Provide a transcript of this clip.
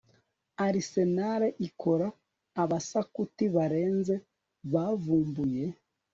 Arsenal ikora abaskuti barenze bavumbuye